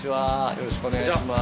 よろしくお願いします。